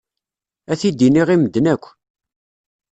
Ad t-id-iniɣ i medden akk.